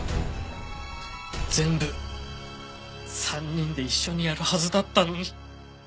全部３人で一緒にやるはずだったのに。